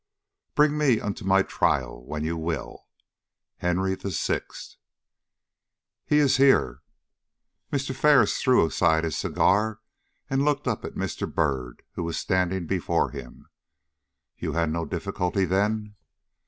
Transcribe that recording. Bring me unto my trial when you will. HENRY VI. "HE is here." Mr. Ferris threw aside his cigar, and looked up at Mr. Byrd, who was standing before him. "You had no difficulty, then?"